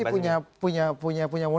punya punya punya punya